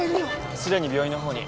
すでに病院のほうに。